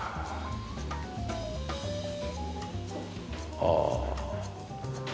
ああ。